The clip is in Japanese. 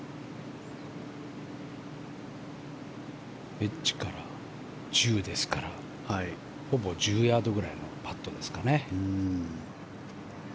エッジから１０ですからほぼ１０ヤードぐらいのパットですかね。